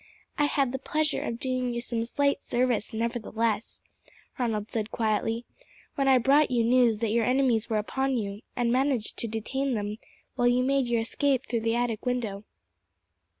"I had the pleasure of doing you some slight service, nevertheless," Ronald said quietly, "when I brought you news that your enemies were upon you, and managed to detain them while you made your escape through the attic window."